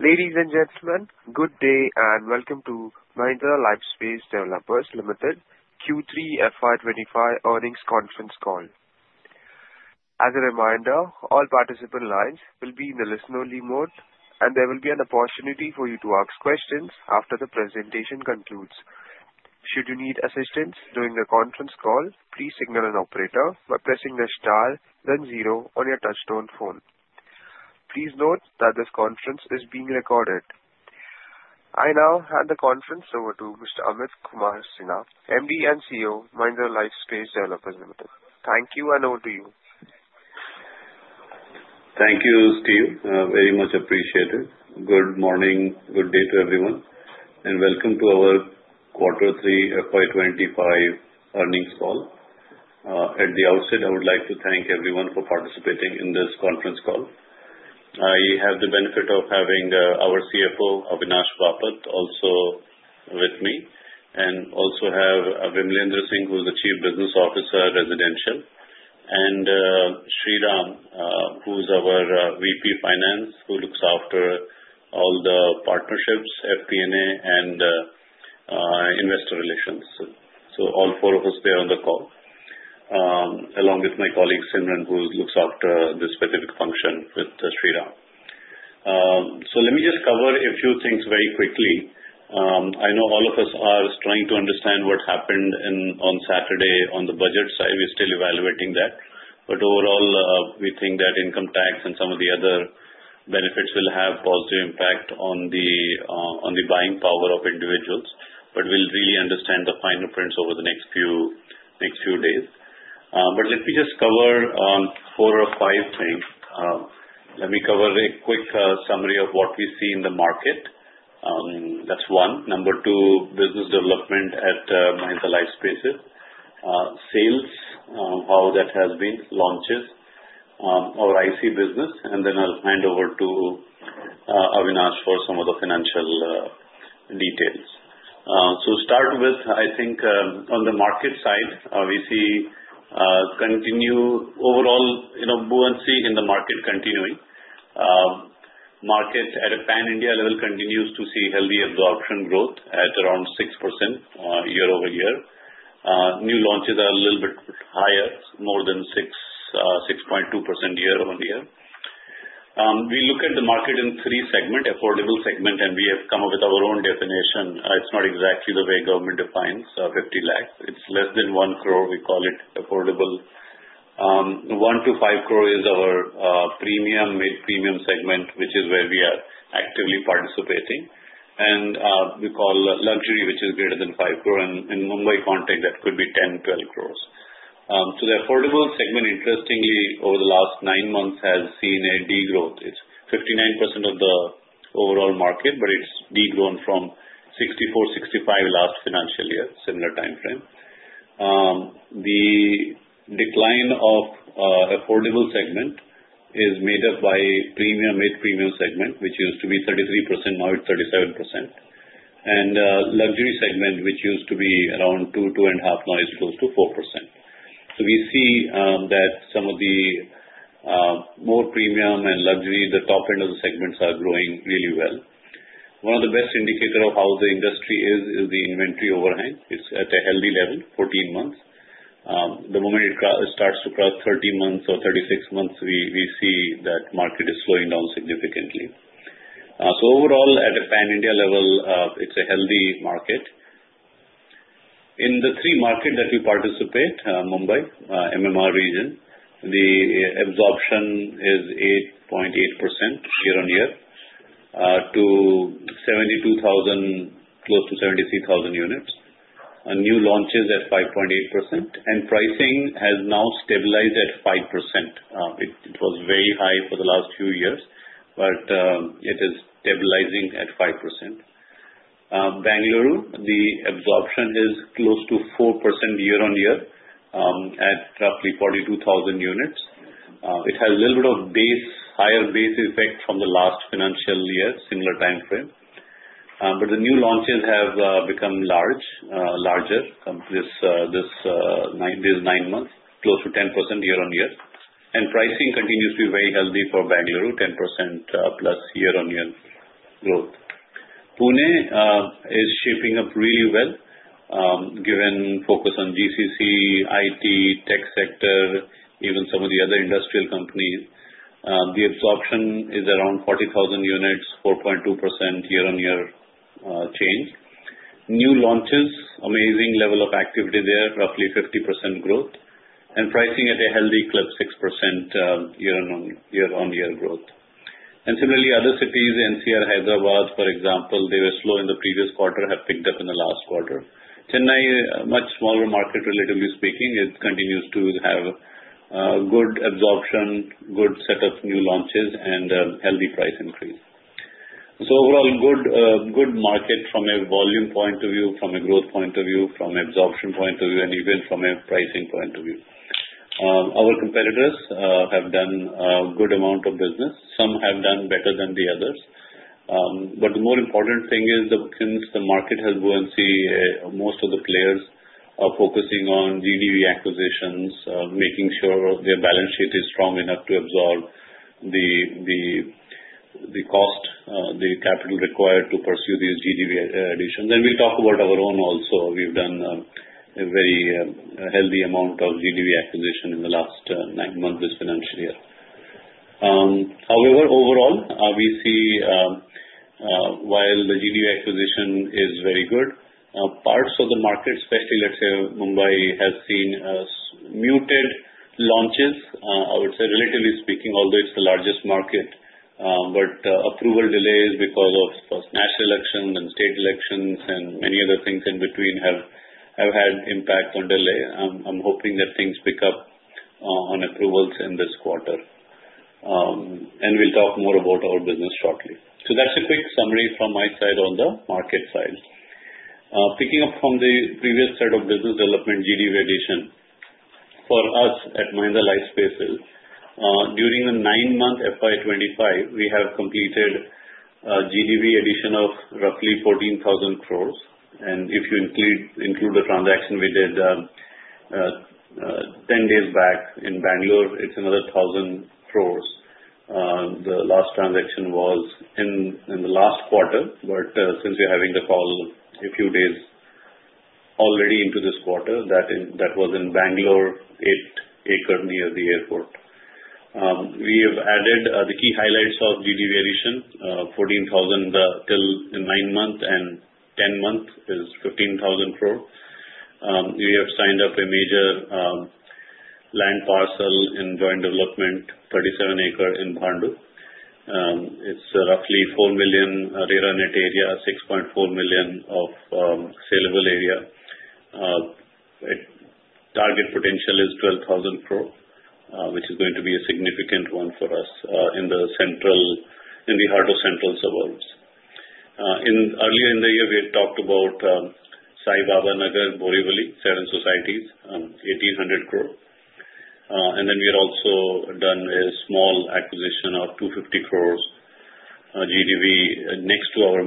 Ladies and gentlemen, good day and welcome to Mahindra Lifespace Developers Limited Q3 FY 2025 Earnings Conference Call. As a reminder, all participant lines will be in the listen-only mode, and there will be an opportunity for you to ask questions after the presentation concludes. Should you need assistance during the conference call, please signal an operator by pressing the star, then zero on your touch-tone phone. Please note that this conference is being recorded. I now hand the conference over to Mr. Amit Kumar Sinha, MD and CEO of Mahindra Lifespace Developers Limited. Thank you and over to you. Thank you, Steve. Very much appreciated. Good morning, good day to everyone, and welcome to our Q3 FY 2025 earnings call. At the outset, I would like to thank everyone for participating in this conference call. I have the benefit of having our CFO, Avinash Bapat, also with me, and also have Vimalendra Singh, who is the Chief Business Officer, Residential, and Sriram, who is our VP Finance, who looks after all the partnerships, FP&A, and investor relations. So all four of us there on the call, along with my colleague Simran, who looks after this specific function with Sriram. So let me just cover a few things very quickly. I know all of us are trying to understand what happened on Saturday on the budget side. We're still evaluating that. But overall, we think that income tax and some of the other benefits will have a positive impact on the buying power of individuals. But we'll really understand the fine print over the next few days. But let me just cover four or five things. Let me cover a quick summary of what we see in the market. That's one. Number two, business development at Mahindra Lifespace sales, how that has been, launches, our IC business, and then I'll hand over to Avinash for some of the financial details. So start with, I think, on the market side, we see continued overall bullish and steady in the market continuing. Market at a Pan-India level continues to see healthy absorption growth at around 6% year-over-year. New launches are a little bit higher, more than 6.2% year-over-year. We look at the market in three segments: affordable segment, and we have come up with our own definition. It's not exactly the way government defines 50 lakh. It's less than 1 crore. We call it affordable. 1 crore-5 crore is our premium, mid-premium segment, which is where we are actively participating. And we call luxury, which is greater than 5 crore, and in Mumbai context, that could be 10 crore-12 crore. So the affordable segment, interestingly, over the last nine months has seen a degrowth. It's 59% of the overall market, but it's degrown from 64%-65% last financial year, similar time frame. The decline of affordable segment is made up by premium, mid-premium segment, which used to be 33%. Now it's 37%. And luxury segment, which used to be around 2%-2.5%, now it's close to 4%. So we see that some of the more premium and luxury, the top end of the segments are growing really well. One of the best indicators of how the industry is the inventory overhang. It's at a healthy level, 14 months. The moment it starts to cross 30 months or 36 months, we see that market is slowing down significantly. So overall, at a Pan-India level, it's a healthy market. In the three markets that we participate, Mumbai, MMR region, the absorption is 8.8% year on year to close to 73,000 units. New launches at 5.8%, and pricing has now stabilized at 5%. It was very high for the last few years, but it is stabilizing at 5%. Bengaluru, the absorption is close to 4% year on year at roughly 42,000 units. It has a little bit of higher base effect from the last financial year, similar time frame. The new launches have become larger these nine months, close to 10% year on year. Pricing continues to be very healthy for Bengaluru, 10% plus year on year growth. Pune is shaping up really well given focus on GCC, IT, tech sector, even some of the other industrial companies. The absorption is around 40,000 units, 4.2% year on year change. New launches, amazing level of activity there, roughly 50% growth. Pricing at a healthy clip, 6% year on year growth. Similarly, other cities, NCR, Hyderabad, for example, they were slow in the previous quarter, have picked up in the last quarter. Chennai, much smaller market, relatively speaking, it continues to have good absorption, good setup, new launches, and healthy price increase. So overall, good market from a volume point of view, from a growth point of view, from an absorption point of view, and even from a pricing point of view. Our competitors have done a good amount of business. Some have done better than the others. But the more important thing is the market has buoyancy. Most of the players are focusing on GDV acquisitions, making sure their balance sheet is strong enough to absorb the cost, the capital required to pursue these GDV additions. And we'll talk about our own also. We've done a very healthy amount of GDV acquisition in the last nine months this financial year. However, overall, we see while the GDV acquisition is very good, parts of the market, especially let's say Mumbai, have seen muted launches, I would say, relatively speaking, although it's the largest market. But approval delays because of national elections and state elections and many other things in between have had impact on delay. I'm hoping that things pick up on approvals in this quarter. And we'll talk more about our business shortly. So that's a quick summary from my side on the market side. Picking up from the previous set of business development GDV addition, for us at Mahindra Lifespace, during the nine-month FY 2025, we have completed GDV addition of roughly 14,000 crore. And if you include the transaction we did 10 days back in Bengaluru, it's another 1,000 crore. The last transaction was in the last quarter, but since we're having the call a few days already into this quarter, that was in Bengaluru, eight acres near the airport. We have added the key highlights of GDV addition: 14,000 till nine months, and 10 months is 15,000 crore. We have signed up a major land parcel in joint development, 37 acres in Bhandup. It's roughly four million RERA net area, 6.4 million saleable area. Target potential is 12,000 crore, which is going to be a significant one for us in the heart of central suburbs. Earlier in the year, we had talked about Saibaba Nagar, Borivali, seven societies, 1,800 crore, and then we had also done a small acquisition of 250 crore GDV next to our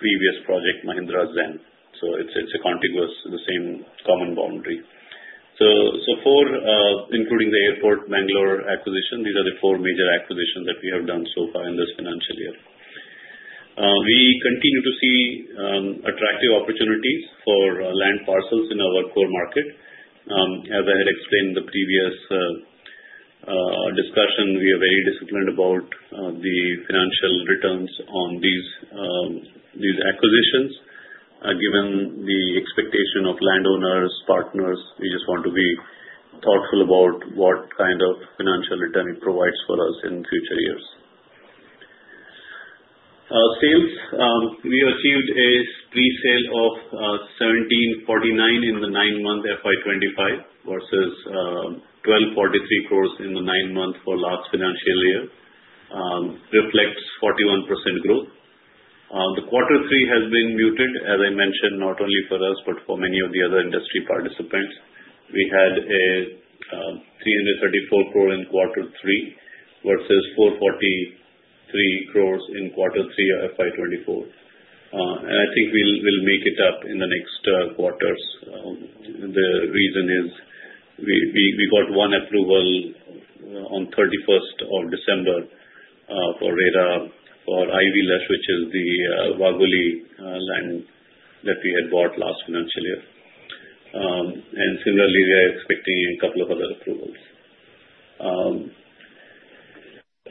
previous project, Mahindra Zen, so it's a contiguous, the same common boundary, so including the airport, Bengaluru acquisition, these are the four major acquisitions that we have done so far in this financial year. We continue to see attractive opportunities for land parcels in our core market. As I had explained in the previous discussion, we are very disciplined about the financial returns on these acquisitions. Given the expectation of landowners, partners, we just want to be thoughtful about what kind of financial return it provides for us in future years. Sales, we achieved a pre-sale of 1,749 in the nine-month FY 2025 versus 1,243 crore in the nine-month for last financial year. Reflects 41% growth. The quarter three has been muted, as I mentioned, not only for us but for many of the other industry participants. We had a 334 crore in quarter three versus 443 crores in quarter three of FY 2024. And I think we'll make it up in the next quarters. The reason is we got one approval on 31st of December for RERA IvyLush, which is the Wagholi land that we had bought last financial year. And similarly, we are expecting a couple of other approvals.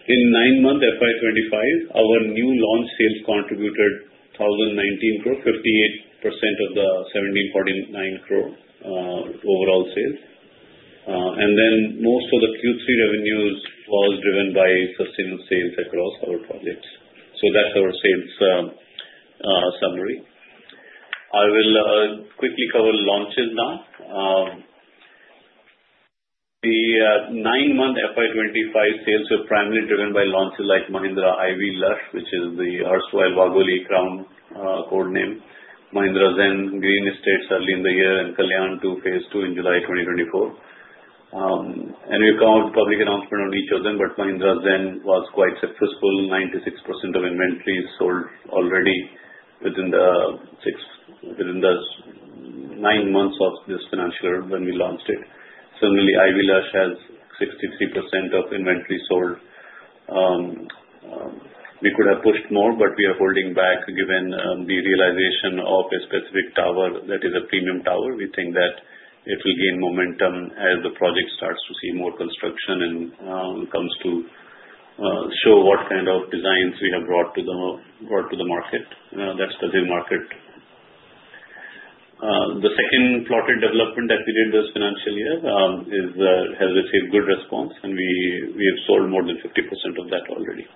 In nine-month FY 2025, our new launch sales contributed 1,019 crore, 58% of the 1,749 crore overall sales. Most of the Q3 revenues was driven by sustained sales across our projects. So that's our sales summary. I will quickly cover launches now. The nine-month FY25 sales were primarily driven by launches like Mahindra IvyLush, which is the erstwhile Wagholi Crown codename, Mahindra Zen Green Estates early in the year, and Kalyan-2 phase II in July 2024, and we'll come out with public announcement on each of them, but Mahindra Zen was quite successful. 96% of inventory sold already within the nine months of this financial year when we launched it. Similarly, IvyLush has 63% of inventory sold. We could have pushed more, but we are holding back given the realization of a specific tower that is a premium tower. We think that it will gain momentum as the project starts to see more construction and comes to show what kind of designs we have brought to the market. That's the Zen market. The second plotted development that we did this financial year has received good response, and we have sold more than 50% of that already.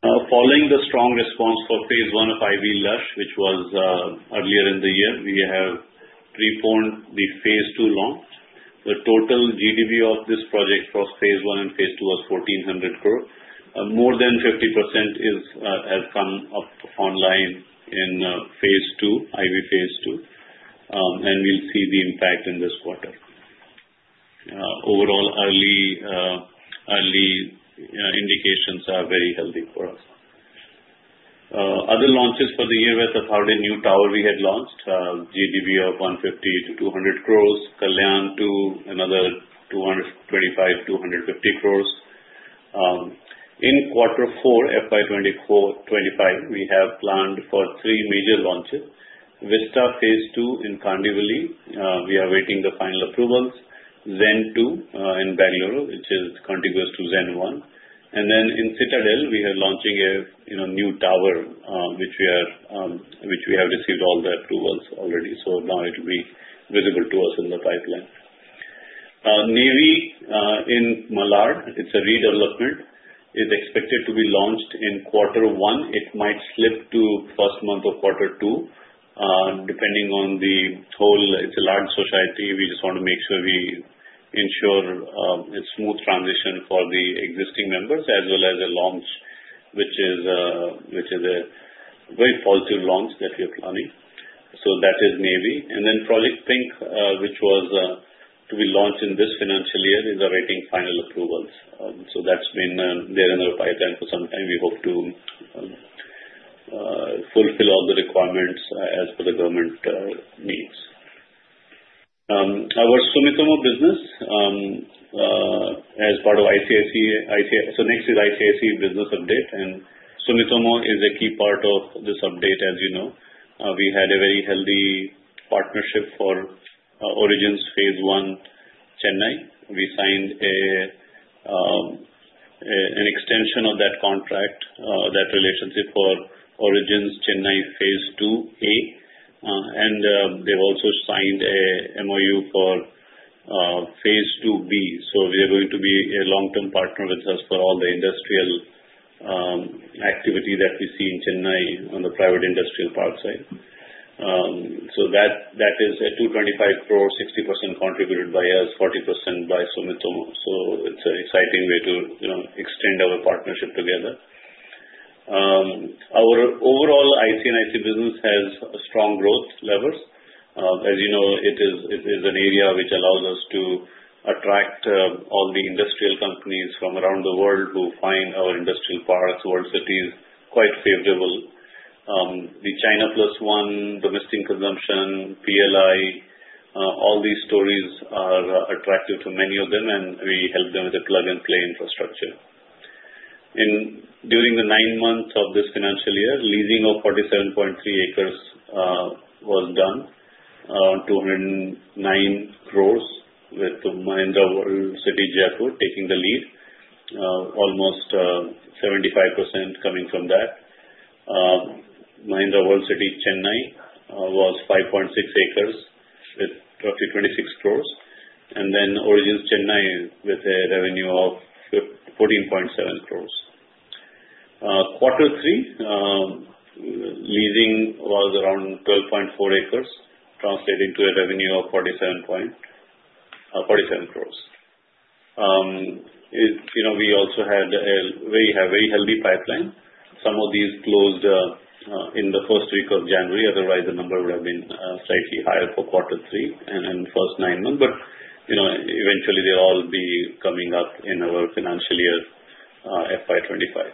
Following the strong response for Phase I of IvyLush, which was earlier in the year, we have confirmed the phase II launch. The total GDV of this project across phase I and phase II was 1,400 crore. More than 50% has come up online in phase II, IvyLush phase II, and we'll see the impact in this quarter. Overall, early indications are very healthy for us. Other launches for the year with the Tathawade new tower we had launched, GDV of 150 crore-200 crore. Kalyan-2, another 225 crore-250 crore. In quarter four, FY 2025, we have planned for three major launches. Vista phase II in Kandivali, we are awaiting the final approvals. Zen 2 in Bengaluru, which is contiguous to Zen 1, and then in Citadel, we are launching a new tower, which we have received all the approvals already, so now it will be visible to us in the pipeline. Navy in Malad, it's a redevelopment. It's expected to be launched in quarter one. It might slip to first month of quarter two, depending on the whole. It's a large society. We just want to make sure we ensure a smooth transition for the existing members as well as a launch, which is a very positive launch that we are planning, so that is Navy, and then Project Pink, which was to be launched in this financial year, is awaiting final approvals. So that's been there in our pipeline for some time. We hope to fulfill all the requirements as per the government needs. Our Sumitomo business as part of ICICI, so next is ICICI business update. And Sumitomo is a key part of this update, as you know. We had a very healthy partnership for Origins phase II Chennai. We signed an extension of that contract, that relationship for Origins Chennai phase II-A. And also signed an MoU for phase II-B. So they're going to be a long-term partner with us for all the industrial activity that we see in Chennai on the private industrial park side. So that is an 225 crore, 60% contributed by us, 40% by Sumitomo. So it's an exciting way to extend our partnership together. Our overall IC and IC business has strong growth levels. As you know, it is an area which allows us to attract all the industrial companies from around the world who find our industrial parks, world cities, quite favorable. The China Plus One, domestic consumption, PLI, all these stories are attractive to many of them, and we help them with the plug-and-play infrastructure. During the nine months of this financial year, leasing of 47.3 acres was done, around 209 crore, with Mahindra World City Jaipur taking the lead, almost 75% coming from that. Mahindra World City Chennai was 5.6 acres with roughly 26 crore. And then Origins Chennai with a revenue of 14.7 crore. Quarter three, leasing was around 12.4 acres, translated into a revenue of 47 crore. We also had a very healthy pipeline. Some of these closed in the first week of January. Otherwise, the number would have been slightly higher for quarter three and then first nine months. But eventually, they'll all be coming up in our financial year, FY 2025.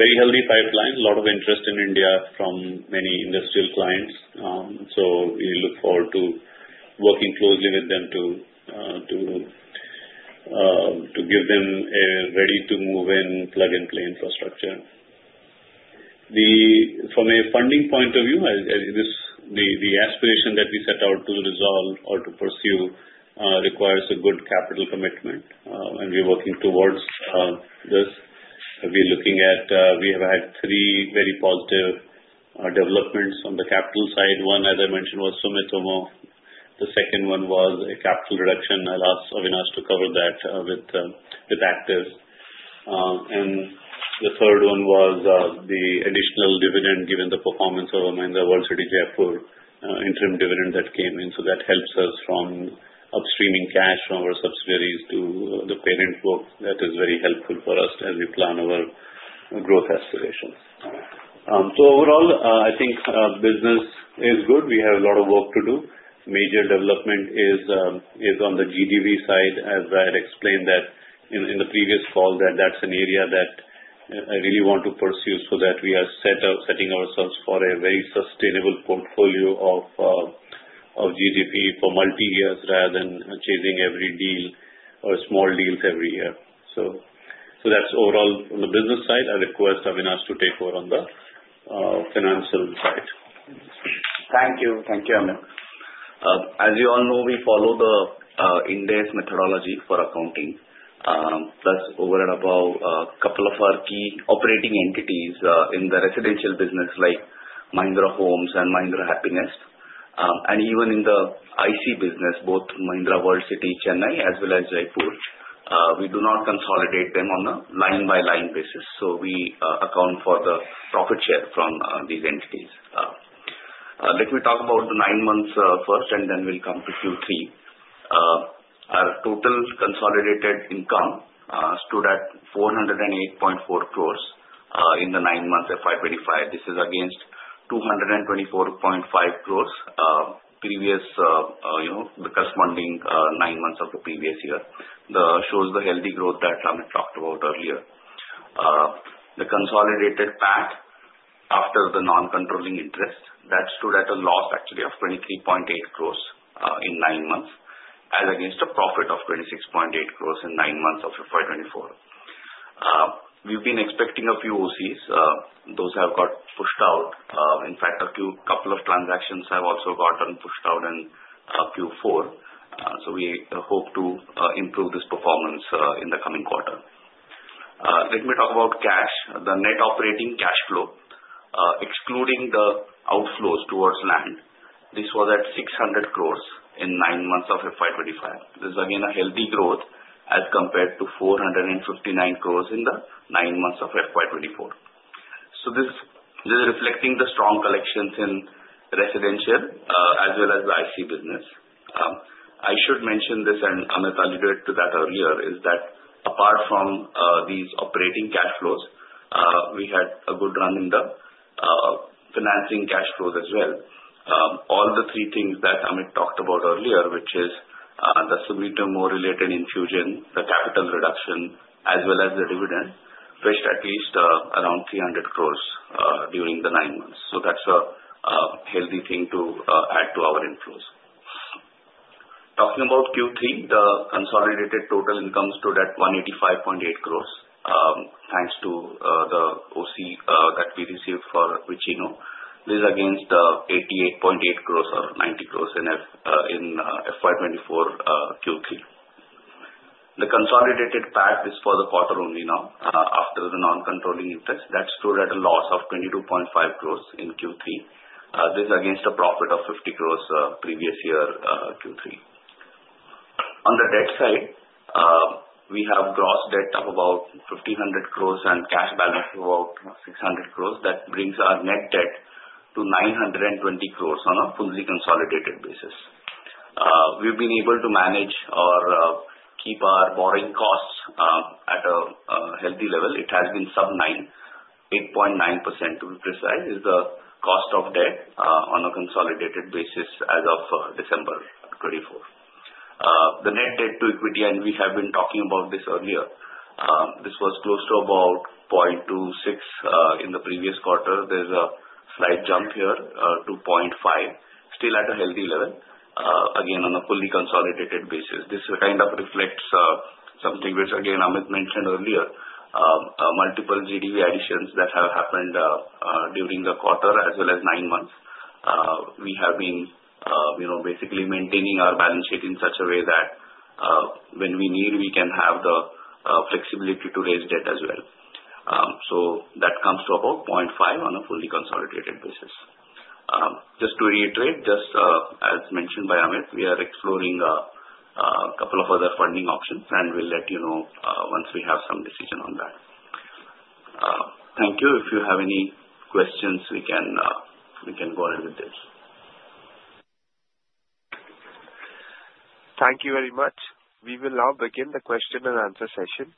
Very healthy pipeline, a lot of interest in India from many industrial clients. So we look forward to working closely with them to give them a ready-to-move-in plug-and-play infrastructure. From a funding point of view, the aspiration that we set out to resolve or to pursue requires a good capital commitment, and we're working towards this. We're looking at, we have had three very positive developments on the capital side. One, as I mentioned, was Sumitomo. The second one was a capital reduction. I was asked to cover that with Actis. And the third one was the additional dividend given the performance of Mahindra World City Jaipur interim dividend that came in. That helps us from upstreaming cash from our subsidiaries to the parent book. That is very helpful for us as we plan our growth aspirations. Overall, I think business is good. We have a lot of work to do. Major development is on the GDV side, as I had explained in the previous call, that that's an area that I really want to pursue so that we are setting ourselves for a very sustainable portfolio of GDV for multi-years rather than chasing every deal or small deals every year. That's overall on the business side. I request Avinash to take over on the financial side. Thank you. Thank you, Amit. As you all know, we follow the Ind AS methodology for accounting. That's over and above a couple of our key operating entities in the residential business, like Mahindra Homes and Mahindra Happinest. And even in the IC business, both Mahindra World City Chennai as well as Jaipur, we do not consolidate them on a line-by-line basis. So we account for the profit share from these entities. Let me talk about the nine months first, and then we'll come to Q3. Our total consolidated income stood at 408.4 crore in the nine-month FY 2025. This is against 224.5 crore previous corresponding nine months of the previous year. This shows the healthy growth that Amit talked about earlier. The consolidated PAT after the non-controlling interest, that stood at a loss, actually, of 23.8 crore in nine months, as against a profit of 26.8 crore in nine months of FY 2024. We've been expecting a few OCs. Those have got pushed out. In fact, a couple of transactions have also gotten pushed out in Q4. So we hope to improve this performance in the coming quarter. Let me talk about cash. The net operating cash flow, excluding the outflows towards land, this was at 600 crore in nine months of FY 2025. This is, again, a healthy growth as compared to 459 crore in the nine months of FY 2024. So this is reflecting the strong collections in residential as well as the IC business. I should mention this, and Amit alluded to that earlier, is that apart from these operating cash flows, we had a good run in the financing cash flows as well. All the three things that Amit talked about earlier, which is the Sumitomo-related infusion, the capital reduction, as well as the dividend, fetched at least around 300 crore during the nine months. So that's a healthy thing to add to our inflows. Talking about Q3, the consolidated total income stood at 185.8 crore, thanks to the OC that we received for Vicino. This is against 88.8 crore or 90 crore in FY 2024 Q3. The consolidated PAT is for the quarter only now, after the non-controlling interest. That stood at a loss of 22.5 crore in Q3. This is against a profit of 50 crore previous year Q3. On the debt side, we have gross debt of about 1,500 crore and cash balance of about 600 crore. That brings our net debt to 920 crore on a fully consolidated basis. We've been able to manage or keep our borrowing costs at a healthy level. It has been sub-9%. 8.9%, to be precise, is the cost of debt on a consolidated basis as of December 24. The net debt to equity, and we have been talking about this earlier, this was close to about 0.26 in the previous quarter. There's a slight jump here to 0.5, still at a healthy level, again, on a fully consolidated basis. This kind of reflects something which, again, Amit mentioned earlier, multiple GDV additions that have happened during the quarter as well as nine months. We have been basically maintaining our balance sheet in such a way that when we need, we can have the flexibility to raise debt as well. So that comes to about 0.5 on a fully consolidated basis. Just to reiterate, just as mentioned by Amit, we are exploring a couple of other funding options, and we'll let you know once we have some decision on that. Thank you. If you have any questions, we can go ahead with this. Thank you very much. We will now begin the question and answer session.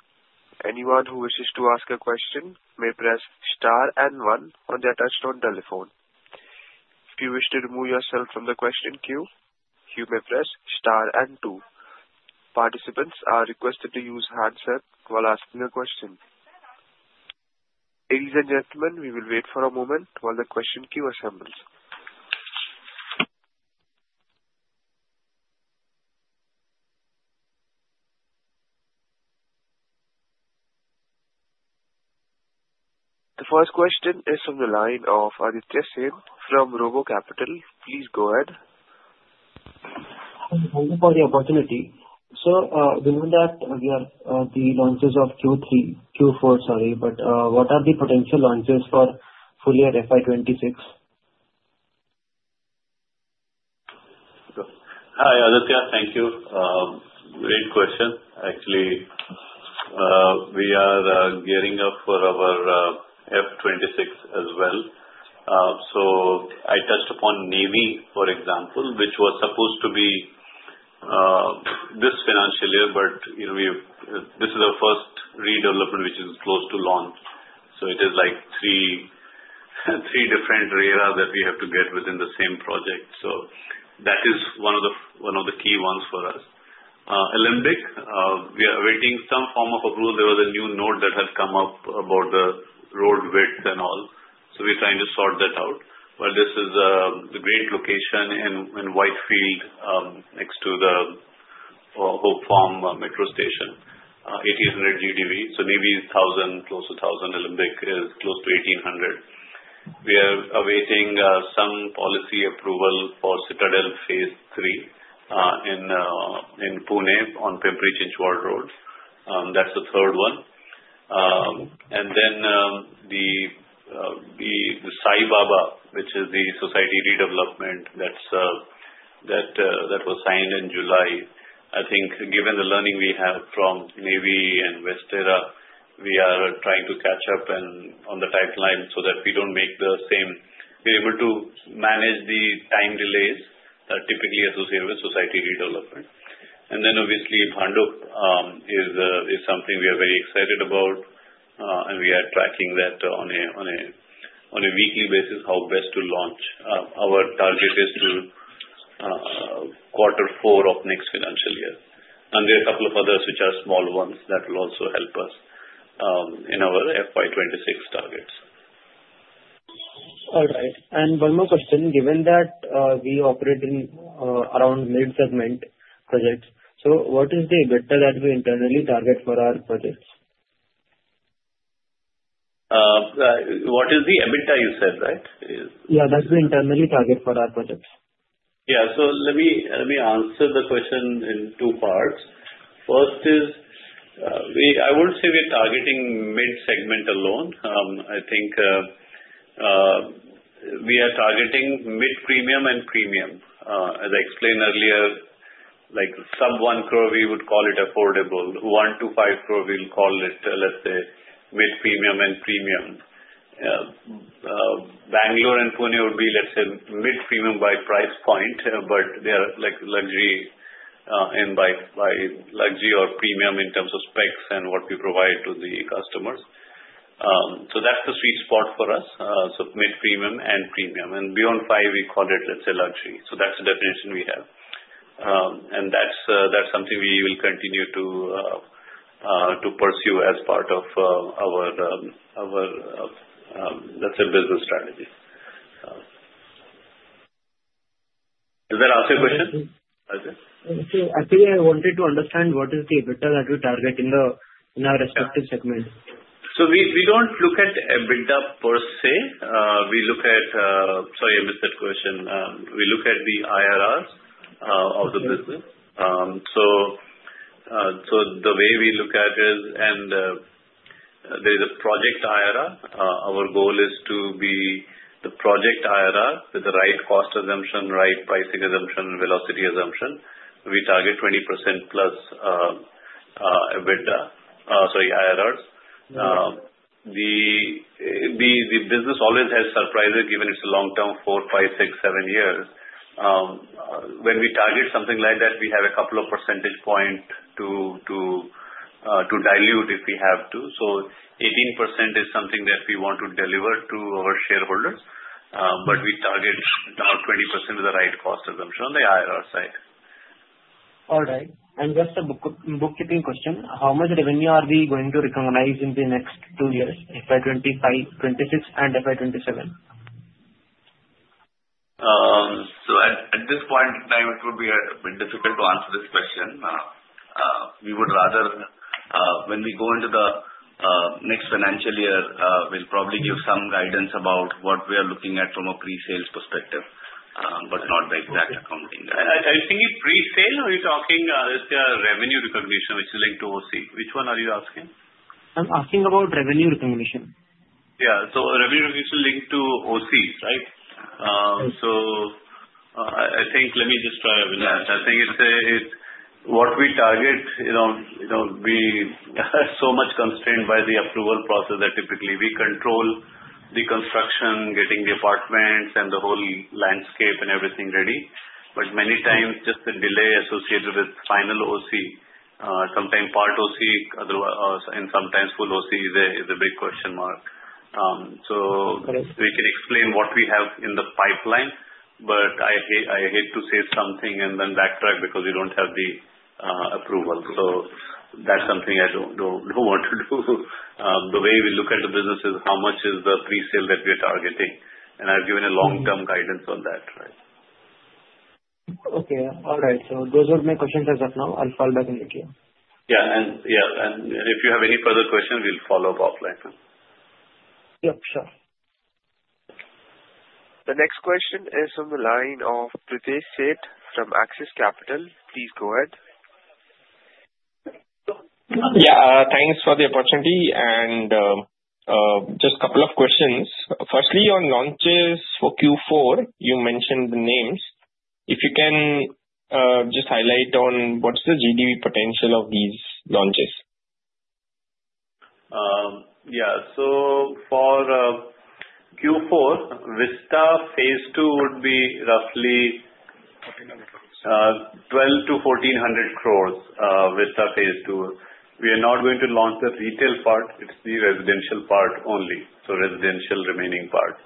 Anyone who wishes to ask a question may press star and one on their touch-tone telephone. If you wish to remove yourself from the question queue, you may press star and two. Participants are requested to use handset while asking a question. Ladies and gentlemen, we will wait for a moment while the question queue assembles. The first question is from the line of Aditya Sen from RoboCapital. Please go ahead. Thank you for the opportunity. So we know that the launches of Q4, sorry, but what are the potential launches for full year FY 2026? Hi, Aditya. Thank you. Great question. Actually, we are gearing up for our FY 2026 as well, so I touched upon Navy, for example, which was supposed to be this financial year, but this is our first redevelopment which is close to launch, so it is like three different RERA that we have to get within the same project, so that is one of the key ones for us. Alembic, we are awaiting some form of approval. There was a new note that had come up about the road width and all, so we're trying to sort that out, but this is a great location in Whitefield next to the Hope Farm Metro Station, 1,800 crore GDV, so maybe 1,000 crore, close to 1,000 crore. Alembic is close to 1,800 crore. We are awaiting some policy approval for Citadel phase III in Pune on Pimpri-Chinchwad Road. That's the third one. Then the Saibaba, which is the society redevelopment that was signed in July, I think. Given the learning we have from Navy and WestEra, we are trying to catch up on the pipeline so that we don't make the same, we're able to manage the time delays that are typically associated with society redevelopment. Then, obviously, Bhandup is something we are very excited about, and we are tracking that on a weekly basis, how best to launch. Our target is quarter four of next financial year. There are a couple of others which are small ones that will also help us in our FY 2026 targets. All right. And one more question. Given that we operate in around mid-segment projects, so what is the EBITDA that we internally target for our projects? What is the EBITDA you said, right? Yeah, that's the internal target for our projects. Yeah. So let me answer the question in two parts. First is, I would say we're targeting mid-segment alone. I think we are targeting mid-premium and premium. As I explained earlier, sub-INR 1 crore, we would call it affordable. 1 crore-5 crore, we'll call it, let's say, mid-premium and premium. Bengaluru and Pune would be, let's say, mid-premium by price point, but they are luxury in by luxury or premium in terms of specs and what we provide to the customers. So that's the sweet spot for us, so mid-premium and premium. And beyond 5 crore, we call it, let's say, luxury. So that's the definition we have. And that's something we will continue to pursue as part of our, let's say, business strategy. Did that answer your question? Actually, I wanted to understand what is the EBITDA that we target in our respective segment? We don't look at EBITDA per se. We look at, sorry, I missed that question. We look at the IRRs of the business. The way we look at it, and there is a project IRR. Our goal is to be the project IRR with the right cost assumption, right pricing assumption, and velocity assumption. We target 20%+ EBITDA, sorry, IRRs. The business always has surprises given its long-term four, five, six, seven years. When we target something like that, we have a couple of percentage points to dilute if we have to. 18% is something that we want to deliver to our shareholders, but we target now 20% with the right cost assumption on the IRR side. All right. And just a bookkeeping question. How much revenue are we going to recognize in the next two years, FY 2026 and FY 2027? So at this point in time, it would be difficult to answer this question. We would rather, when we go into the next financial year, we'll probably give some guidance about what we are looking at from a pre-sales perspective, but not the exact accounting. I think it's pre-sale. Are you talking? It's the revenue recognition, which is linked to OC. Which one are you asking? I'm asking about revenue recognition. Yeah. So revenue recognition linked to OC, right? So I think let me just try, Avinash. So I think it's what we target. We are so much constrained by the approval process that typically we control the construction, getting the apartments and the whole landscape and everything ready. But many times, just the delay associated with final OC, sometimes part OC, and sometimes full OC is a big question mark. So we can explain what we have in the pipeline, but I hate to say something and then backtrack because we don't have the approval. So that's something I don't want to do. The way we look at the business is how much is the pre-sale that we are targeting. And I've given a long-term guidance on that, right? Okay. All right. So those are my questions as of now. I'll call back in a few. Yeah, and if you have any further questions, we'll follow up offline. Yep. Sure. The next question is from the line of Pritesh Sheth from Axis Capital. Please go ahead. Yeah. Thanks for the opportunity, and just a couple of questions. Firstly, on launches for Q4, you mentioned the names. If you can just highlight on what's the GDV potential of these launches. Yeah. So for Q4, Vista phase II would be roughly 1,200 crore-1,400 crore with the phase II. We are not going to launch the retail part. It's the residential part only, so residential remaining part.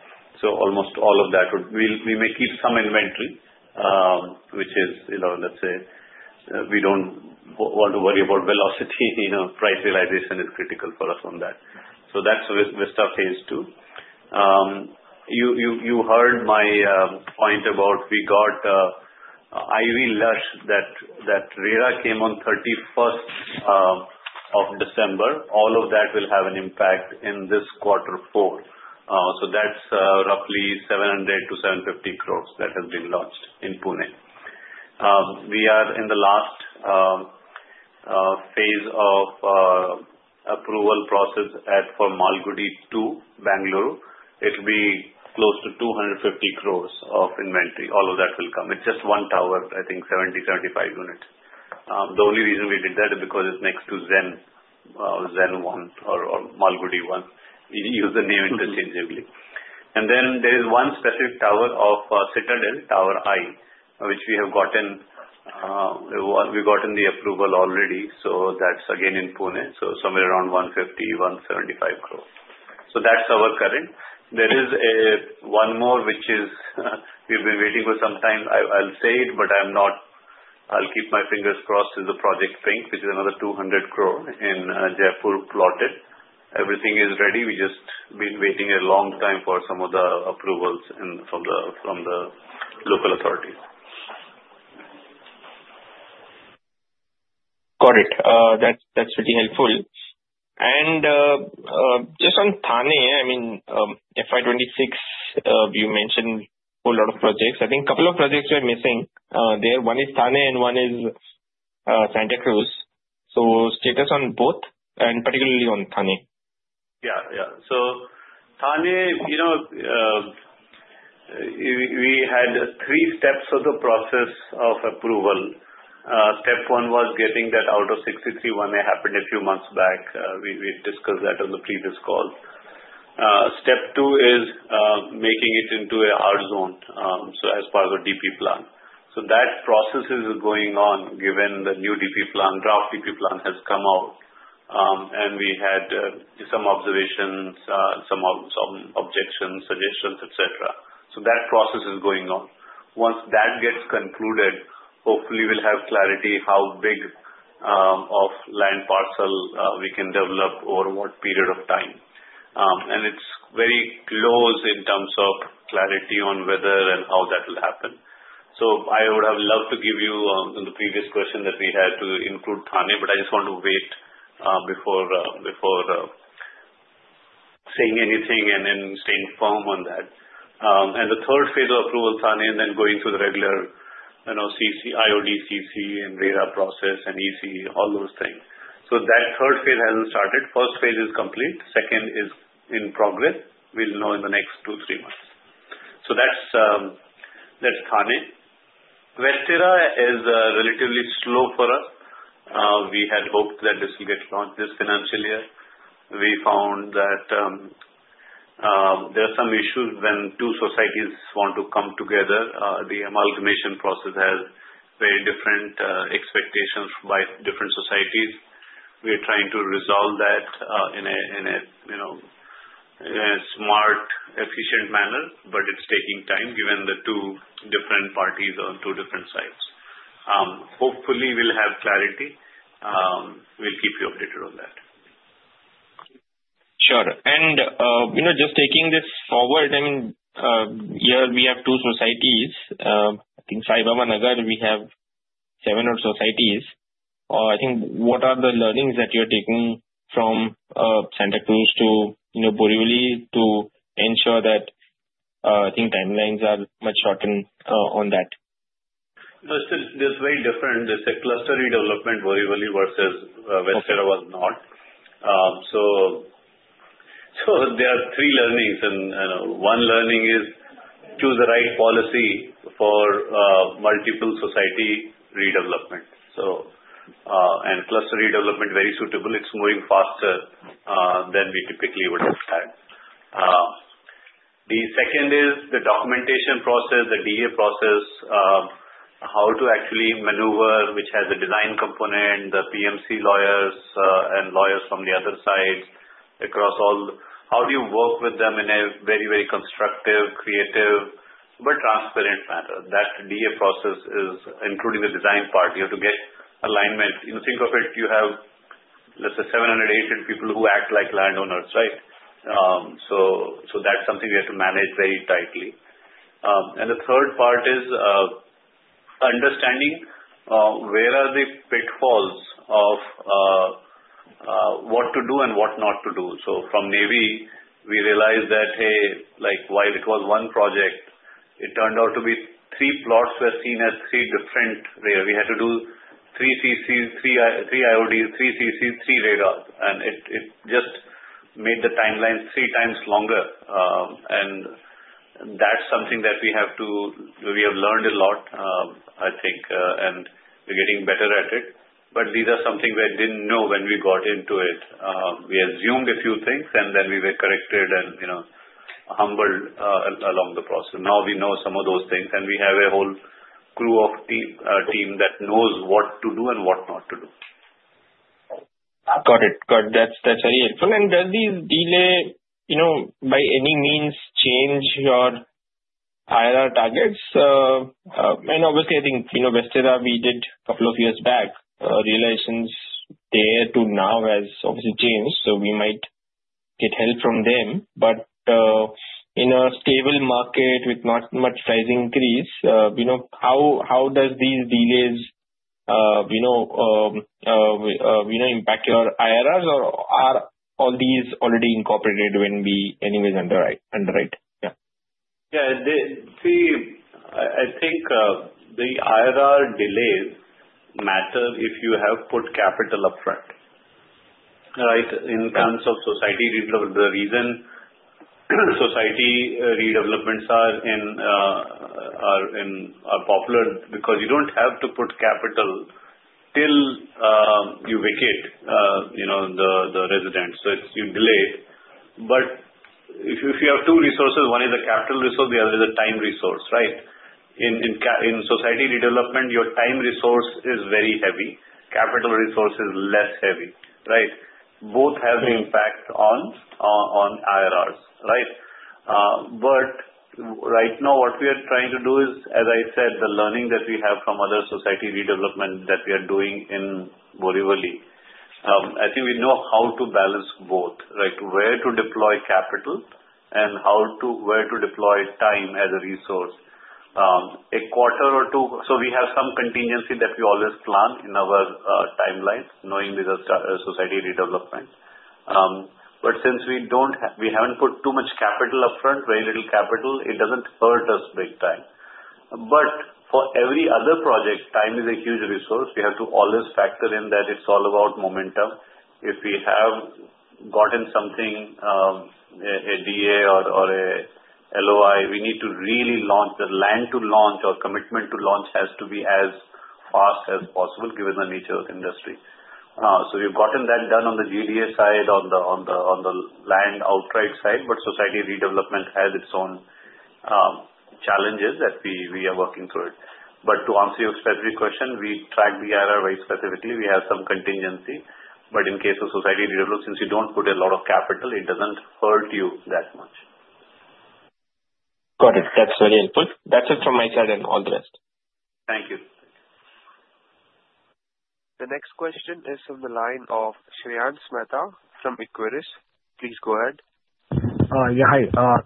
So almost all of that, we may keep some inventory, which is, let's say, we don't want to worry about velocity. Price realization is critical for us on that. So that's Vista phase II. You heard my point about we got IvyLush that RERA came on 31st of December. All of that will have an impact in this quarter four. So that's roughly 700 crore-750 crore that have been launched in Pune. We are in the last phase of approval process for Malgudi-2, Bengaluru. It will be close to 250 crore of inventory. All of that will come. It's just one tower, I think, 70-75 units. The only reason we did that is because it's next to Zen-1 or Malgudi-1. You use the name interchangeably. Then there is one specific tower of Citadel, Tower I, which we have gotten the approval already. That's again in Pune, so somewhere around 150 crore-175 crore. That's our current. There is one more which we've been waiting for some time. I'll say it, but I'll keep my fingers crossed as the Project Pink, which is another 200 crore in Jaipur plotted. Everything is ready. We've just been waiting a long time for some of the approvals from the local authorities. Got it. That's pretty helpful. And just on Thane, I mean, FY 2026, you mentioned a whole lot of projects. I think a couple of projects are missing there. One is Thane and one is Santacruz. So status on both, and particularly on Thane? Yeah. Yeah. So Thane, we had three steps of the process of approval. Step one was getting that out of 63-1A happened a few months back. We discussed that on the previous call. Step two is making it into a R zone, so as part of a DP plan. So that process is going on given the new DP plan, draft DP plan has come out, and we had some observations, some objections, suggestions, etc. So that process is going on. Once that gets concluded, hopefully, we'll have clarity how big of land parcel we can develop over what period of time. And it's very close in terms of clarity on whether and how that will happen. So I would have loved to give you the previous question that we had to include Thane, but I just want to wait before saying anything and then staying firm on that. And the phase III of approval, Thane, and then going through the regular IOD, CC and RERA process and EC, all those things. So that third phase hasn't started. Phase I is complete. Second is in progress. We'll know in the next two, three months. So that's Thane. WestEra is relatively slow for us. We had hoped that this will get launched this financial year. We found that there are some issues when two societies want to come together. The amalgamation process has very different expectations by different societies. We are trying to resolve that in a smart, efficient manner, but it's taking time given the two different parties on two different sides. Hopefully, we'll have clarity. We'll keep you updated on that. Sure. And just taking this forward, I mean, yeah, we have two societies. I think Saibaba Nagar, we have seven or so societies. I think what are the learnings that you are taking from Santacruz to Borivali to ensure that I think timelines are much shorter on that? There's very different. It's a cluster redevelopment, Borivali versus WestEra was not, so there are three learnings, and one learning is choose the right policy for multiple society redevelopment and cluster redevelopment, very suitable. It's moving faster than we typically would have time. The second is the documentation process, the DA process, how to actually maneuver, which has a design component, the PMC lawyers and lawyers from the other sides across all. How do you work with them in a very, very constructive, creative, but transparent manner? That DA process is including the design part, you have to get alignment. Think of it, you have, let's say, 700, 800 people who act like landowners, right, so that's something we have to manage very tightly, and the third part is understanding where are the pitfalls of what to do and what not to do. So from Navy, we realized that, hey, while it was one project, it turned out to be three plots were seen as three different RERA. We had to do three CCs, three IODs, three CCs, three RERA. And it just made the timeline three times longer. And that's something that we have learned a lot, I think, and we're getting better at it. But these are something we didn't know when we got into it. We assumed a few things, and then we were corrected and humbled along the process. Now we know some of those things, and we have a whole crew of team that knows what to do and what not to do. Got it. Got it. That's very helpful. And does this delay, by any means, change your IRR targets? And obviously, I think WestEra, we did a couple of years back. Relations there to now has obviously changed, so we might get help from them. But in a stable market with not much price increase, how does these delays impact your IRRs, or are all these already incorporated when we anyways underwrite? Yeah. Yeah. See, I think the IRR delays matter if you have put capital upfront, right, in terms of society redevelopment. The reason society redevelopments are popular because you don't have to put capital till you vacate the residence. So you delay it. But if you have two resources, one is a capital resource, the other is a time resource, right? In society redevelopment, your time resource is very heavy. Capital resource is less heavy, right? Both have an impact on IRRs, right? But right now, what we are trying to do is, as I said, the learning that we have from other society redevelopment that we are doing in Borivali. I think we know how to balance both, right, where to deploy capital and where to deploy time as a resource. A quarter or two, so we have some contingency that we always plan in our timeline, knowing with the society redevelopment. But since we haven't put too much capital upfront, very little capital, it doesn't hurt us big time. But for every other project, time is a huge resource. We have to always factor in that it's all about momentum. If we have gotten something, a DA or a LOI, we need to really launch the land to launch or commitment to launch has to be as fast as possible given the nature of the industry. So we've gotten that done on the JDA side, on the land outright side, but society redevelopment has its own challenges that we are working through it. But to answer your specific question, we track the IRR very specifically. We have some contingency. But in case of society redevelopment, since you don't put a lot of capital, it doesn't hurt you that much. Got it. That's very helpful. That's it from my side and all the rest. Thank you. The next question is from the line of Shreyans Mehta from Equirus. Please go ahead. Yeah. Hi.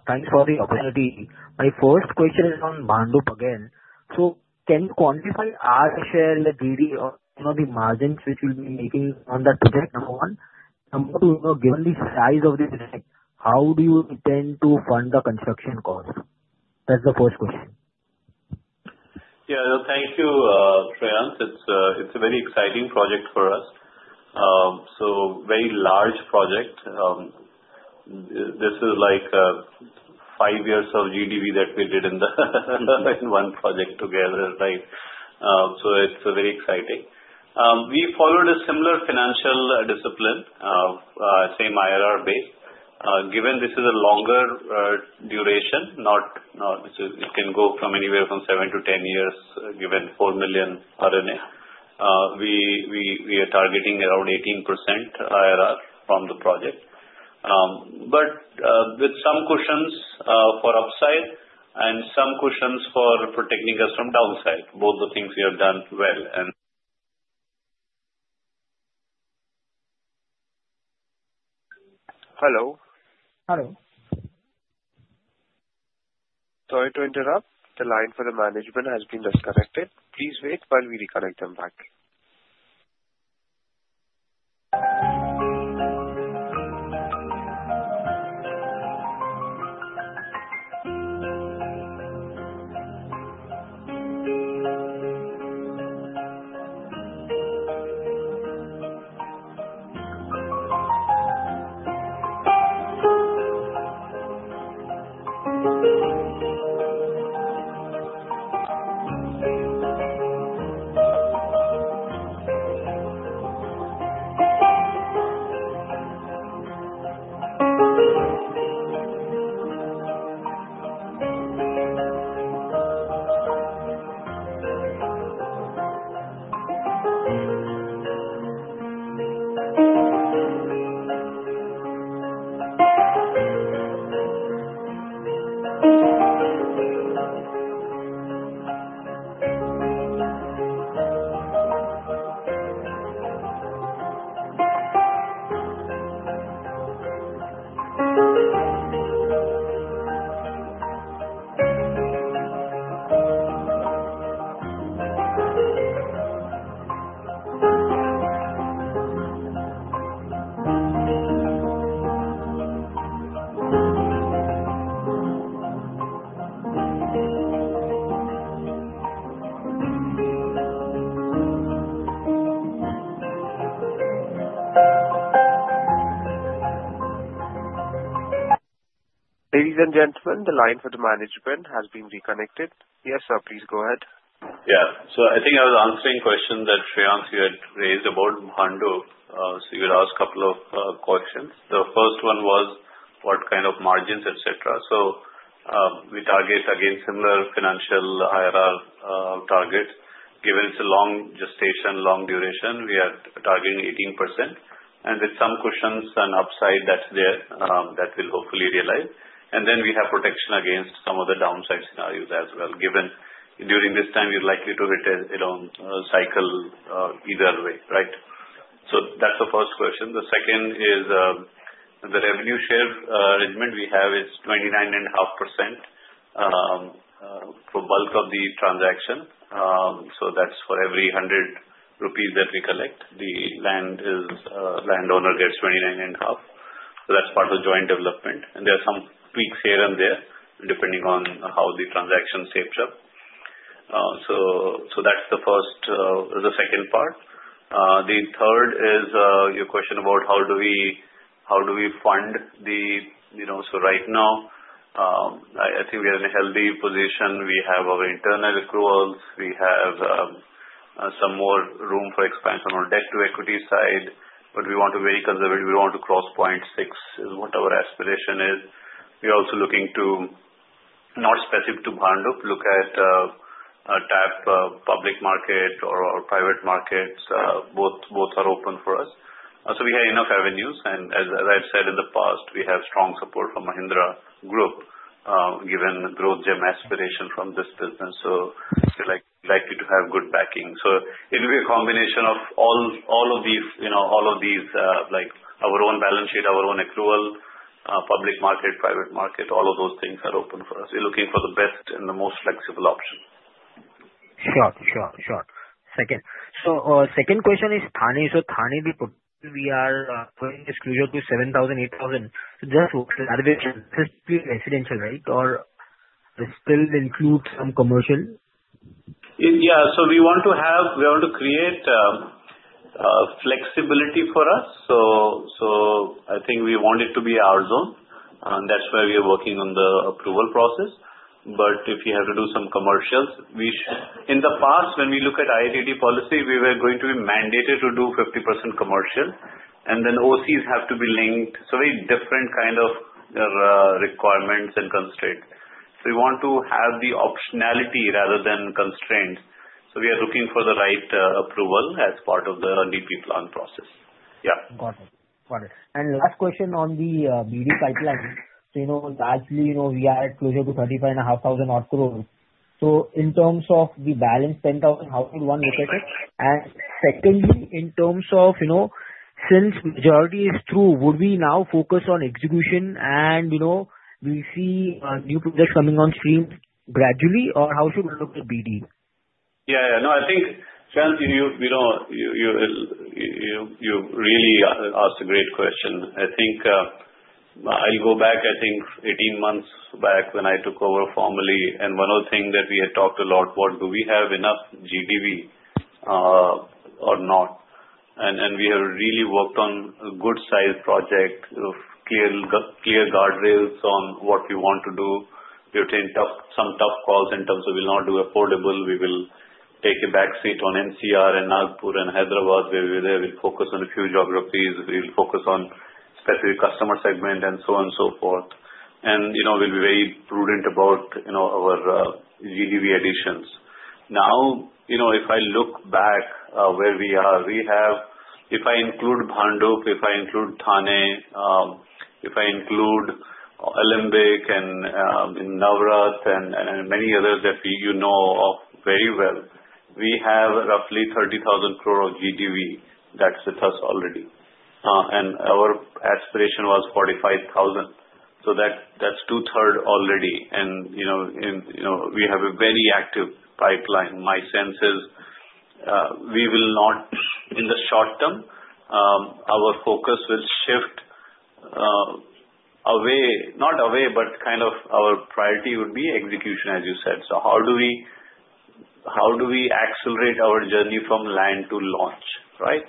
Thanks for the opportunity. My first question is on Bhandup again. So can you quantify our share in the GDV or the margins which we'll be making on that project? Number one. Number two, given the size of this project, how do you intend to fund the construction cost? That's the first question. Yeah. Thank you, Shreyans. It's a very exciting project for us. So very large project. This is like five years of GDV that we did in one project together, right? So it's very exciting. We followed a similar financial discipline, same IRR base. Given this is a longer duration, it can go from anywhere from 7 to 10 years given 4 million RNA. We are targeting around 18% IRR from the project. But with some cushions for upside and some cushions for protecting us from downside, both the things we have done well and. Hello? Hello. Sorry to interrupt. The line for the management has been disconnected. Please wait while we reconnect them back. Ladies and gentlemen, the line for the management has been reconnected. Yes, sir, please go ahead. Yeah. So I think I was answering questions that Shreyans here had raised about Mahindra. So you had asked a couple of questions. The first one was what kind of margins, etc. We target, again, similar financial IRR target. Given it's a long gestation, long duration, we are targeting 18%. With some cushions and upside that's there that we'll hopefully realize. Then we have protection against some of the downside scenarios as well. Given during this time, you're likely to hit a cycle either way, right? That's the first question. The second is the revenue share arrangement we have is 29.5% for bulk of the transaction. That's for every 100 crore rupees that we collect, the landowner gets 29.5 crore. That's part of joint development. There are some tweaks here and there depending on how the transaction shapes up. That's the first. The second part. The third is your question about how do we fund this. So right now, I think we are in a healthy position. We have our internal accruals. We have some more room for expansion on debt-to-equity side. But we want to be very conservative. We don't want to cross 0.6. That is what our aspiration is. We are also looking to tap, not specific to Mahindra, public market or private markets. Both are open for us. So we have enough avenues. And as I've said in the past, we have strong support from Mahindra Group given the growth agenda aspiration from this business. So we're likely to have good backing. So it will be a combination of all of these like our own balance sheet, our own accruals, public market, private market, all of those things are open for us. We're looking for the best and the most flexible option. Sure. Second question is Thane. So Thane we put. We are going exclusive to 7,000 crore-8,000 crore GDV. So just to clarify, is this still residential, right? Or this still includes some commercial? Yeah. So we want to create flexibility for us. So I think we want it to be R zone. And that's where we are working on the approval process. But if you have to do some commercials, in the past, when we look at IITT policy, we were going to be mandated to do 50% commercial. And then OCs have to be linked. So very different kind of requirements and constraints. So we want to have the optionality rather than constraints. So we are looking for the right approval as part of the DP plan process. Yeah. Got it. Got it. And last question on the BD pipeline. So actually, we are closer to 35,500 crore. So in terms of the balance 100 crore, how should one look at it? And secondly, in terms of since majority is through, would we now focus on execution and we'll see new projects coming on stream gradually, or how should we look at BD? Yeah. Yeah. No, I think Shreyans, you really asked a great question. I think I'll go back, I think, 18 months back when I took over formally, and one more thing that we had talked a lot about, do we have enough GDV or not? And we have really worked on a good-sized project of clear guardrails on what we want to do. We've taken some tough calls in terms of we'll not do affordable. We will take a backseat on NCR and Nagpur and Hyderabad. We will focus on a few geographies. We'll focus on specific customer segment and so on and so forth, and we'll be very prudent about our GDV additions. Now, if I look back where we are, we have if I include Mahindra, if I include Thane, if I include Alembic and Navrat and many others that you know of very well, we have roughly 30,000 crore of GDV that's with us already, and our aspiration was 45,000 crore, so that's two-thirds already, and we have a very active pipeline. My sense is we will not, in the short term, our focus will shift away, not away, but kind of our priority would be execution, as you said, so how do we accelerate our journey from land to launch, right?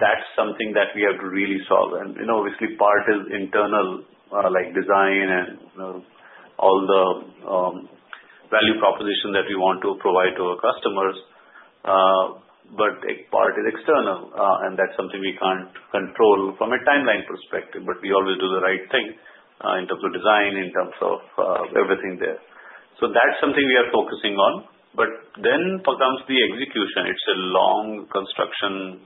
That's something that we have to really solve, and obviously, part is internal like design and all the value proposition that we want to provide to our customers, but part is external, and that's something we can't control from a timeline perspective. But we always do the right thing in terms of design, in terms of everything there. So that's something we are focusing on. But then comes the execution. It's a long construction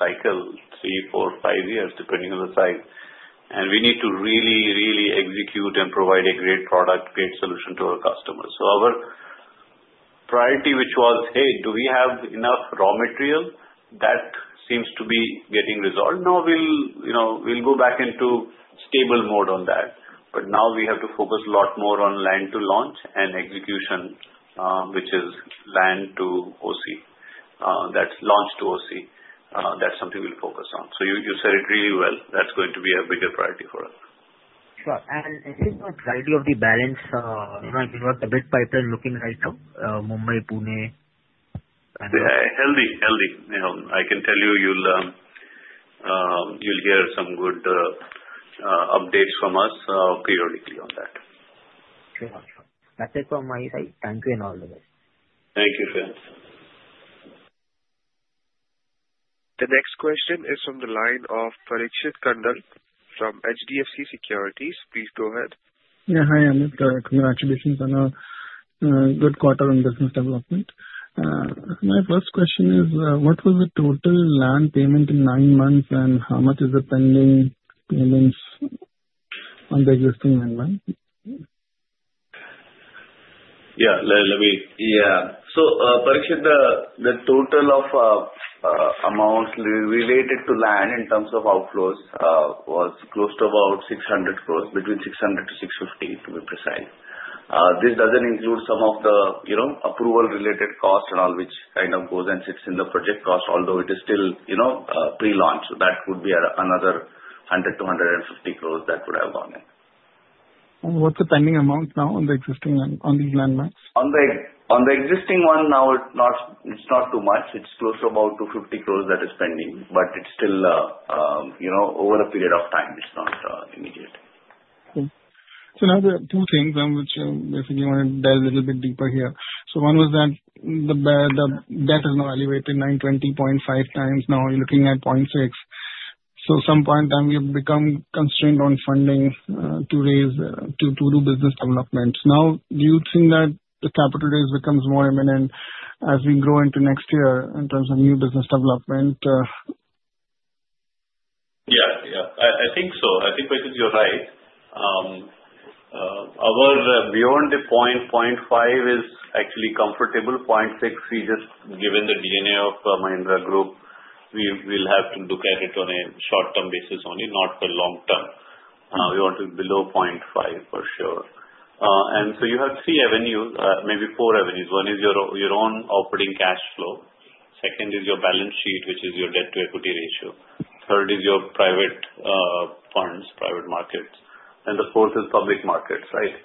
cycle, three, four, five years, depending on the size. And we need to really, really execute and provide a great product, great solution to our customers. So our priority, which was, hey, do we have enough raw material? That seems to be getting resolved. Now we'll go back into stable mode on that. But now we have to focus a lot more on land to launch and execution, which is land to OC. That's launch to OC. That's something we'll focus on. So you said it really well. That's going to be a bigger priority for us. Sure, and I think the clarity of the balance, you know, I've been working a bit pipeline looking right now, Mumbai, Pune. Yeah. Healthy. I can tell you you'll hear some good updates from us periodically on that. Sure. Sure. That's it from my side. Thank you and all the best. Thank you, Shreyans. The next question is from the line of Parikshit Kandpal from HDFC Securities. Please go ahead. Yeah. Hi, Amit. Congratulations on a good quarter on business development. My first question is, what was the total land payment in nine months and how much is the pending payments on the existing land? Yeah. So Parikshit, the total of amounts related to land in terms of outflows was close to about 600 crore, between 600 crore-650 crore to be precise. This doesn't include some of the approval-related cost and all, which kind of goes and sits in the project cost, although it is still pre-launch. That would be another 100 crore-150 crore that would have gone in. What's the pending amount now on the existing land on these landmarks? On the existing one now, it's not too much. It's close to about 250 crore that is pending. But it's still over a period of time. It's not immediate. Okay. So now there are two things on which I basically want to delve a little bit deeper here. So one was that the debt is now elevated 9.2 times. Now we're looking at 0.6. So at some point in time, we have become constrained on funding to do business development. Now, do you think that the capital raise becomes more imminent as we grow into next year in terms of new business development? Yeah. Yeah. I think so. I think you're right. Beyond the 0.5 is actually comfortable. 0.6, given the DNA of Mahindra Group, we will have to look at it on a short-term basis only, not for long-term. We want to be below 0.5 for sure, and so you have three avenues, maybe four avenues. One is your own operating cash flow. Second is your balance sheet, which is your debt to equity ratio. Third is your private funds, private markets, and the fourth is public markets, right?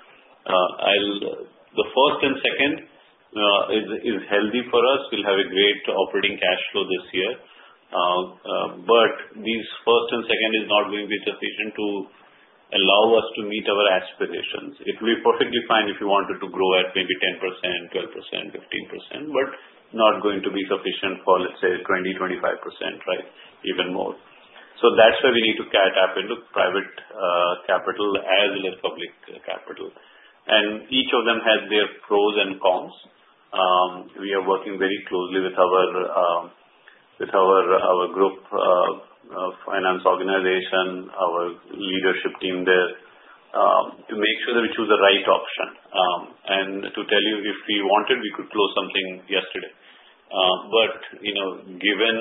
The first and second is healthy for us. We'll have a great operating cash flow this year, but these first and second is not going to be sufficient to allow us to meet our aspirations. It will be perfectly fine if you wanted to grow at maybe 10%, 12%, 15%, but not going to be sufficient for, let's say, 20%, 25%, right? Even more. So that's where we need to tap into private capital as well as public capital. And each of them has their pros and cons. We are working very closely with our group finance organization, our leadership team there to make sure that we choose the right option. And to tell you, if we wanted, we could close something yesterday. But given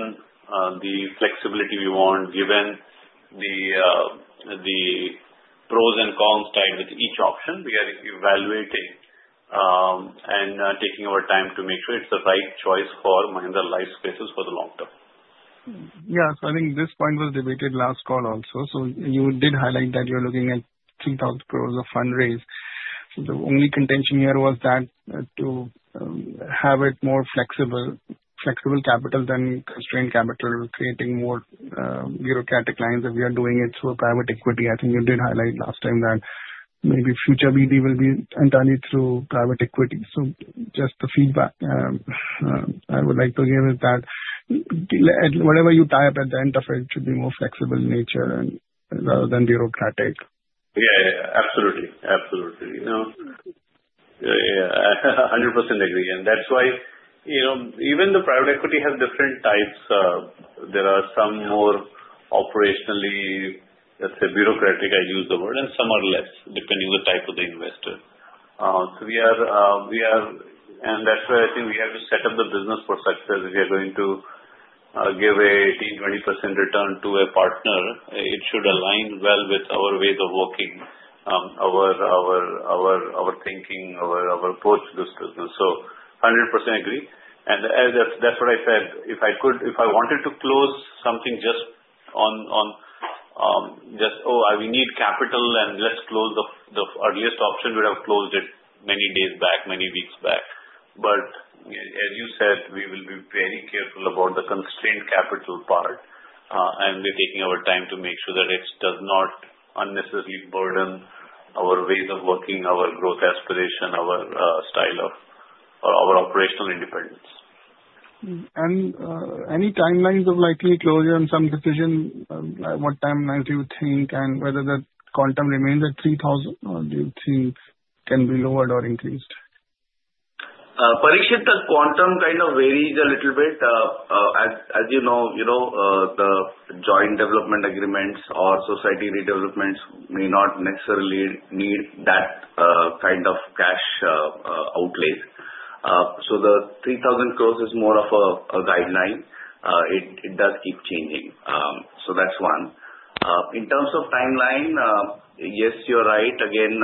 the flexibility we want, given the pros and cons tied with each option, we are evaluating and taking our time to make sure it's the right choice for Mahindra Lifespace for the long term. Yeah. So I think this point was debated last call also. So you did highlight that you're looking at 3,000 crore of fundraise. The only contention here was that to have it more flexible, flexible capital than constrained capital, creating more bureaucratic lines if we are doing it through private equity. I think you did highlight last time that maybe future BD will be entirely through private equity. So just the feedback I would like to give is that whatever you type at the end of it should be more flexible in nature rather than bureaucratic. Yeah. Absolutely. Absolutely. Yeah. 100% agree. And that's why even the private equity has different types. There are some more operationally, let's say, bureaucratic. I use the word, and some are less, depending on the type of the investor. So we are, and that's why I think we have to set up the business for success. If we are going to give an 18%-20% return to a partner, it should align well with our ways of working, our thinking, our approach to this business. So 100% agree. And that's what I said. If I wanted to close something just on just, "Oh, we need capital," and let's close the earliest option, we would have closed it many days back, many weeks back. But as you said, we will be very careful about the constrained capital part. We're taking our time to make sure that it does not unnecessarily burden our ways of working, our growth aspiration, our style of our operational independence. Any timelines of likely closure and some decision, what timelines do you think, and whether the quantum remains at 3,000 crore or do you think can be lowered or increased? Parikshit, the quantum kind of varies a little bit. As you know, the joint development agreements or society redevelopments may not necessarily need that kind of cash outlay. So the 3,000 crore is more of a guideline. It does keep changing. So that's one. In terms of timeline, yes, you're right. Again,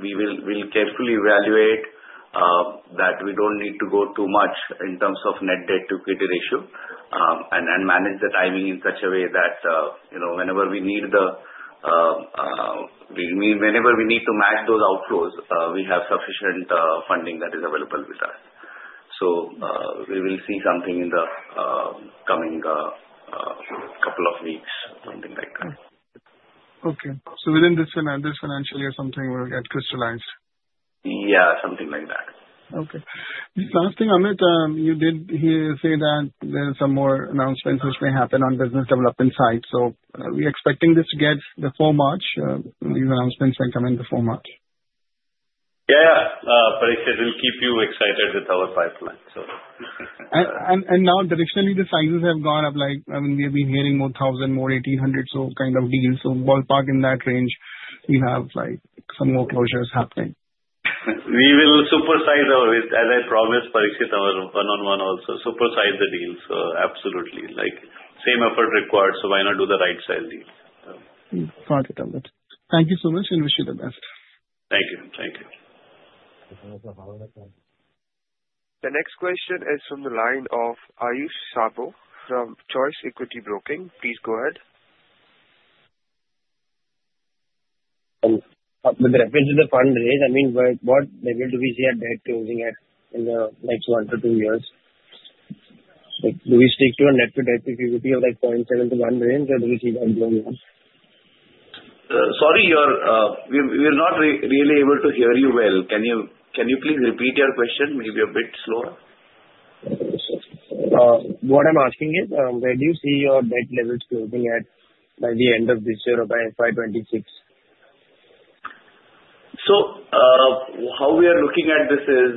we will carefully evaluate that we don't need to go too much in terms of net debt to equity ratio and manage the timing in such a way that whenever we need to match those outflows, we have sufficient funding that is available with us. So we will see something in the coming couple of weeks, something like that. Okay. So within this financial year, something will get crystallized? Yeah. Something like that. Okay. Last thing, Amit, you did say that there are some more announcements which may happen on business development side. So we're expecting this to get before March. These announcements may come in before March. Yeah. Yeah. Parikshit, we'll keep you excited with our pipeline, so. Now, traditionally, the sizes have gone up. I mean, we have been hearing more 1,000 crore, more 1,800 crore, so kind of deals. Ballpark in that range, we have some more closures happening. We will supersize ours, as I promised, Parikshit. Our one-on-one also supersize the deals. Absolutely. Same effort required. So why not do the right-sized deal? Got it, Amit. Thank you so much. I wish you the best. Thank you. Thank you. The next question is from the line of Ayush Soni from Choice Equity Broking. Please go ahead. With reference to the fund raise, I mean, what level do we see our debt closing at in the next one to two years? Do we stick to a net debt to equity of 0.7 to 1 range, or do we see that going up? Sorry, we're not really able to hear you well. Can you please repeat your question maybe a bit slower? What I'm asking is, where do you see your debt levels closing at by the end of this year or by FY 2026? So how we are looking at this is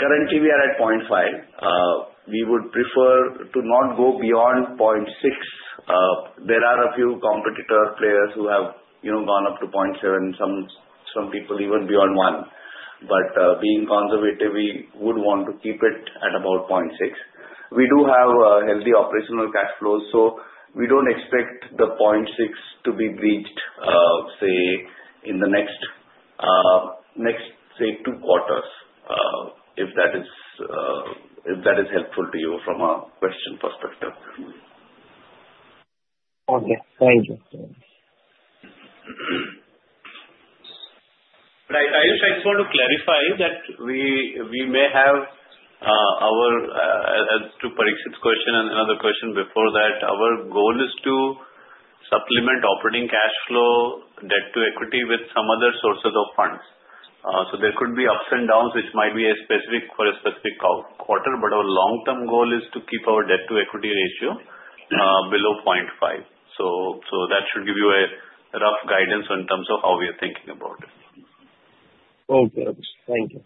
currently, we are at 0.5. We would prefer to not go beyond 0.6. There are a few competitor players who have gone up to 0.7, some people even beyond 1. But being conservative, we would want to keep it at about 0.6. We do have healthy operational cash flows. So we don't expect the 0.6 to be breached, say, in the next two quarters, if that is helpful to you from a question perspective. Okay. Thank you. Ayush, I just want to clarify that we may have our answer to Parikshit's question and another question before that. Our goal is to supplement operating cash flow, debt to equity with some other sources of funds. So there could be ups and downs, which might be specific for a specific quarter. But our long-term goal is to keep our debt to equity ratio below 0.5. So that should give you a rough guidance in terms of how we are thinking about it. Okay. Thank you.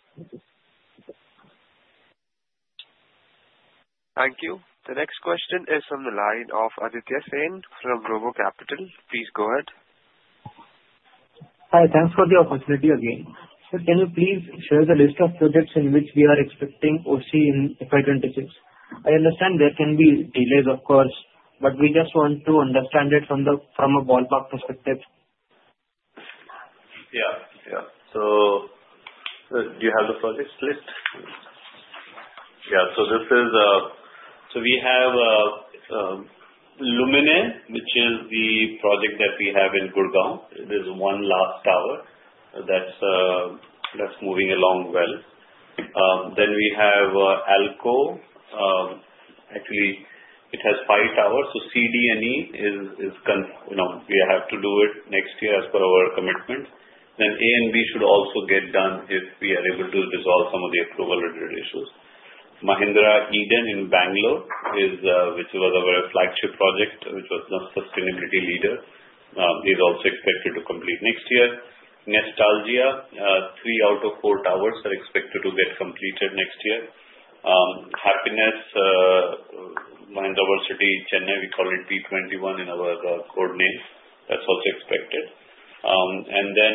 Thank you. The next question is from the line of Aditya Sen from RoboCapital. Please go ahead. Hi. Thanks for the opportunity again. So can you please share the list of projects in which we are expecting OC in FY 2026? I understand there can be delays, of course, but we just want to understand it from a ballpark perspective. Yeah. So do you have the projects list? Yeah. So we have Luminare, which is the project that we have in Gurgaon. It is one last tower that's moving along well. Then we have Alcove. Actually, it has five towers. So C,D, and E is we have to do it next year as per our commitment. Then A and B should also get done if we are able to resolve some of the approval-related issues. Mahindra Eden in Bengaluru, which was our flagship project, which was the sustainability leader, is also expected to complete next year. Nestalgia, three out of four towers are expected to get completed next year. Happinest, Mahindra World City, Chennai, we call it P21 in our code name. That's also expected. And then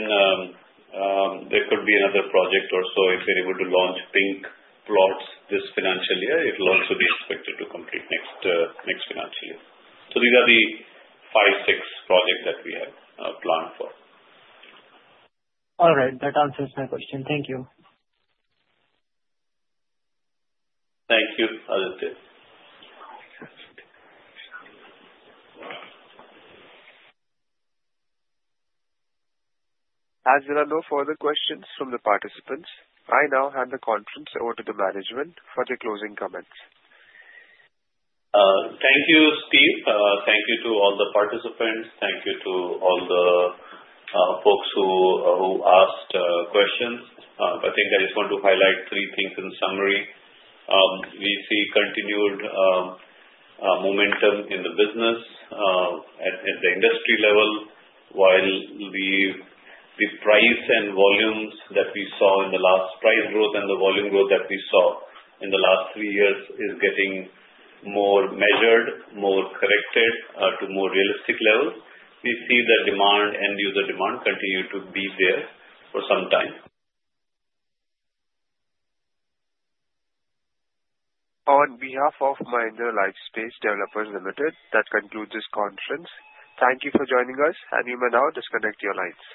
there could be another project or so if we're able to launch Pink plots this financial year. It will also be expected to complete next financial year, so these are the five, six projects that we have planned for. All right. That answers my question. Thank you. Thank you, Aditya. As there are no further questions from the participants, I now hand the conference over to the management for their closing comments. Thank you, Steve. Thank you to all the participants. Thank you to all the folks who asked questions. I think I just want to highlight three things in summary. We see continued momentum in the business at the industry level, while the price and volumes that we saw in the last price growth and the volume growth that we saw in the last three years is getting more measured, more corrected to more realistic levels. We see the demand and user demand continue to be there for some time. On behalf of Mahindra Lifespace Developers Limited, that concludes this conference. Thank you for joining us. And you may now disconnect your lines.